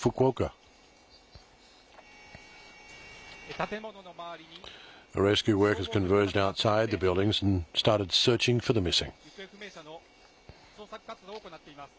建物の周りに消防の人たちが集まって、行方不明者の捜索活動を行っています。